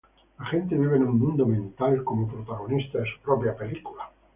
La gente vive en su mundo mental como protagonista de su propia película.